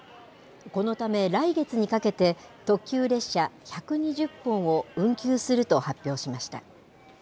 このため、来月にかけて、特急列車１２０本を運休すると発表しました。